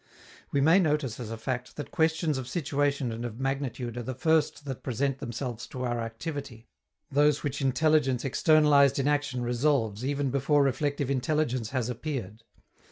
We may notice, as a fact, that questions of situation and of magnitude are the first that present themselves to our activity, those which intelligence externalized in action resolves even before reflective intelligence has appeared.